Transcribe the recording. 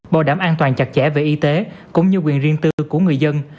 bảo đảm an toàn chặt chẽ về y tế cũng như quyền riêng tư của người dân